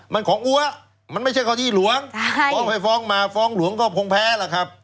มันของอัวมันไม่ใช่เข้าที่หลวงฟ้องไปฟ้องมาฟ้องหลวงก็คงแพ้ล่ะครับ